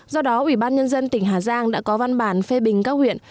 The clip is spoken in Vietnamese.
do đó ủy ban nhân dân tỉnh hà giang đã có văn bản phê bình các huyện